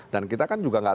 dan kita kan juga gak